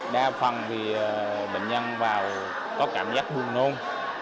đa phần thì bệnh nhân vào có cảm giác buồn nôn